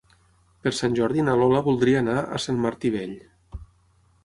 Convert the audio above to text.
Per Sant Jordi na Lola voldria anar a Sant Martí Vell.